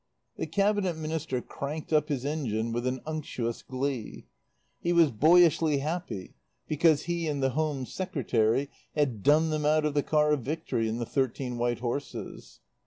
The Cabinet Minister cranked up his engine with an unctuous glee. He was boyishly happy because he and the Home Secretary had done them out of the Car of Victory and the thirteen white horses.